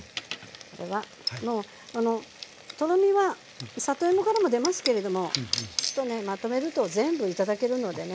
これはもうとろみは里芋からも出ますけれどもまとめると全部頂けるのでね。